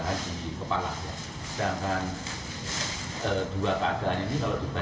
tidak ada warna merah yang menunjukkan bahwa tidak ada perdarahan di kepala